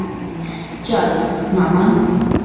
চল, মামা!